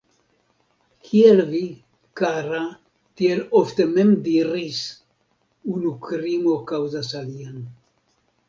Kiel vi, kara, tiel ofte mem diris, unu krimo kaŭzas alian.